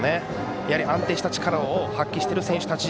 やはり安定した力を発揮している選手たち